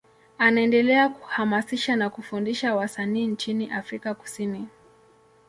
Anaendelea kuhamasisha na kufundisha wasanii nchini Afrika Kusini.